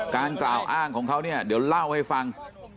กล่าวอ้างของเขาเนี่ยเดี๋ยวเล่าให้ฟัง